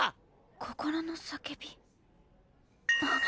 心のさけびあっ。